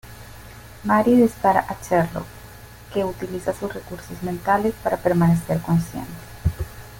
Mary dispara a Sherlock, que utiliza sus recursos mentales para permanecer consciente.